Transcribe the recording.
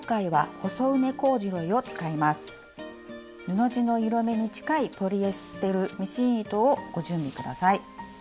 布地の色めに近いポリエステルミシン糸をご準備下さい。